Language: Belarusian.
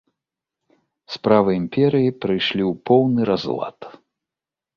Справы імперыі прыйшлі ў поўны разлад.